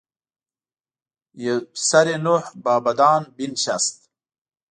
پسر نوح با بدان بنشست.